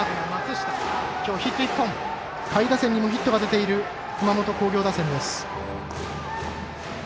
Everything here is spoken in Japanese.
下位打線にもヒットが出ている熊本工業打線です。